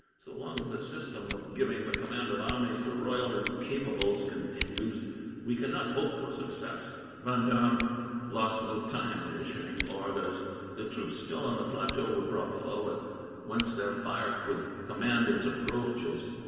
So long as the system of giving the command of armies to royal incapables continues, we cannot hope for success." Vendome lost no time in issuing orders. The troops still on the plateau were brought forward, whence their fire would command its approaches.